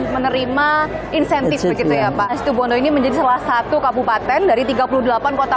menerima insentif begitu ya pak situbondo ini menjadi salah satu kabupaten dari tiga puluh delapan kota